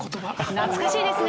懐かしいですね。